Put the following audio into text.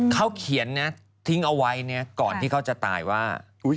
เขาเขียนนะทิ้งเอาไว้ก่อนที่เขาจะตายว่า